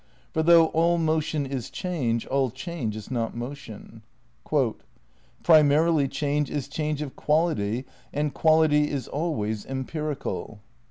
For though all motion is change, all change is not motion. "Primarily change is change of quality and quality is always empirical."